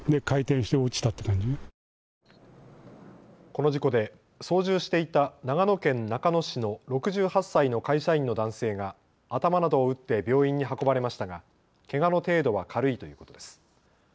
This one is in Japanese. この事故で操縦していた長野県中野市の６８歳の会社員の男性が頭などを打って病院に運ばれましたがけがの程度は軽いということです。